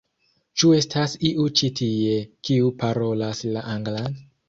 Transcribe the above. Ĉu estas iu ĉi tie, kiu parolas la anglan?